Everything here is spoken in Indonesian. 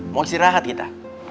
mau istirahat kita